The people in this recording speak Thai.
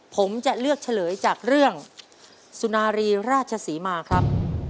ผมจะเลือกเฉลยจากเรื่องสุนารีราชศรีมาครับ